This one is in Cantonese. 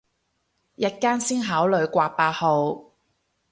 日間先考慮掛八號